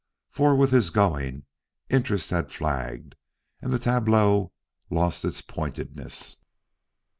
For with his going, interest had flagged and the tableau lost its pointedness.